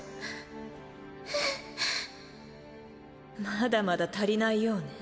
まだまだ足りないようね。